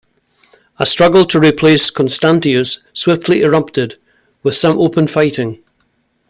A struggle to replace Constantius swiftly erupted, with some open fighting.